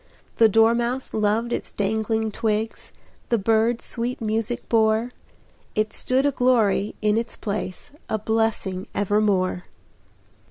The dormouse loved its dangling twigs, The birds sweet music bore It stood a glory in its place, A blessing evermore.